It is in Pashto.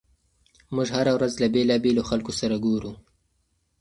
موږ هره ورځ له بېلابېلو خلکو سره ګورو.